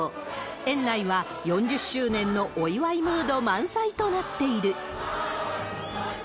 園内は４０周年のお祝いムード満載となっている。